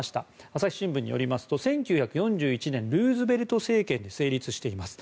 朝日新聞によりますと１９４１年ルーズベルト政権で成立しています。